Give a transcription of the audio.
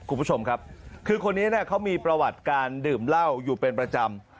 คุณผู้ชมครับคือคนนี้เขามีประวัติการดื่มเหล้าอยู่เป็นประจำ